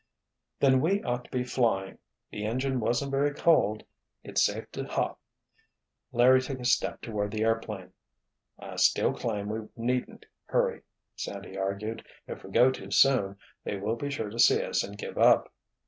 "Then we ought to be flying—the engine wasn't very cold—it's safe to hop." Larry took a step toward the airplane. "I still claim we needn't hurry," Sandy argued. "If we go too soon, they will be sure to see us and give up."